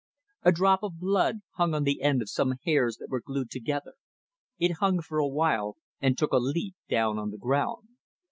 A drop of blood hung on the end of some hairs that were glued together; it hung for a while and took a leap down on the ground.